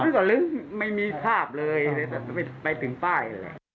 ไม่ต่อลึกไม่มีภาพเลยไปถึงใต้เลย